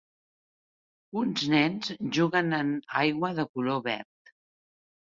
Uns nens juguen en aigua de color verd.